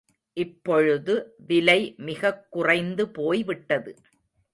இப்பொழுது விலை மிகக்குறைந்து போய்விட்டது.